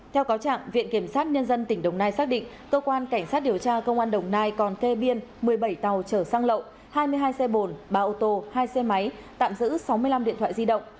theo cáo trạng viện kiểm sát nhân dân tỉnh đồng nai xác định cơ quan cảnh sát điều tra công an đồng nai còn kê biên một mươi bảy tàu chở xăng lậu hai mươi hai xe bồn ba ô tô hai xe máy tạm giữ sáu mươi năm điện thoại di động